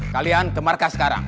kita ke markas sekarang